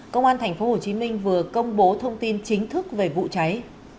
công an tp hcm vừa công bố thông tin chính thức về vụ cháy